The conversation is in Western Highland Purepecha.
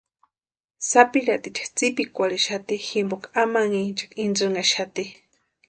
Sapirhaticha tsipikwarhixati jimpoka amanhincha intsinhaxati.